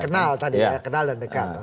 kenal tadi anda kenal dan dekat